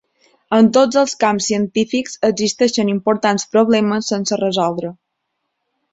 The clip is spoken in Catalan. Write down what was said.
En tots els camps científics existeixen importants problemes sense resoldre.